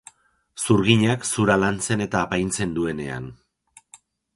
Zurginak zura lantzen eta apaintzen duenean.